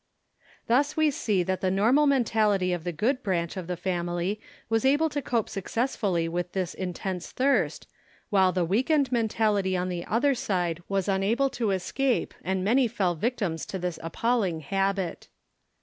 Thus we see that the normal mentality of the good branch of the family was able to cope successfully with this intense thirst, while the weakened mentality on the other side was unable to escape, and many fell victims to this appalling habit.